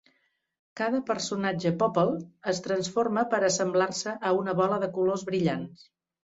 Cada personatge Popple es transforma per assemblar-se a una bola de colors brillants.